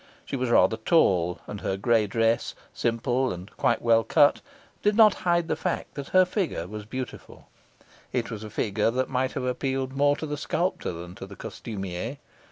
She was rather tall, and her gray dress, simple and quite well cut, did not hide the fact that her figure was beautiful. It was a figure that might have appealed more to the sculptor than to the costumier.